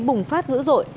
bùng phát dữ dội